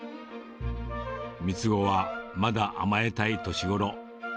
三つ子はまだ甘えたい年ごろ。